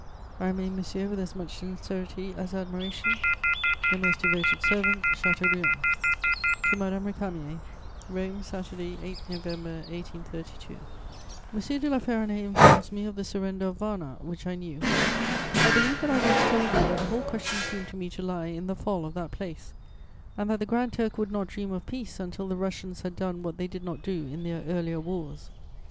"I remain, monsieur, with as much sincerity as admiration, "Your most devoted servant, "CHATEAUBRIAND." [Sidenote: Augustin Thierry.] TO MADAME RÉCAMIER "ROME, Saturday, 8 November 1832. "M. de La Ferronnays informs me of the surrender of Varna, which I knew. I believe that I once told you that the whole question seemed to me to lie in the fall of that place, and that the Grand Turk would not dream of peace until the Russians had done what they did not do in their earlier wars.